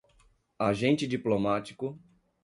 agente diplomático